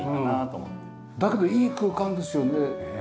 だけどいい空間ですよね。